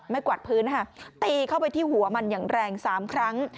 กวาดพื้นค่ะตีเข้าไปที่หัวมันอย่างแรง๓ครั้ง